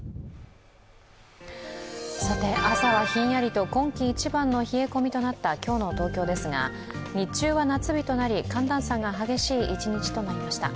朝はヒンヤリと今季一番の冷え込みとなった今日の東京ですが日中は夏日となり寒暖差が激しい一日となりました。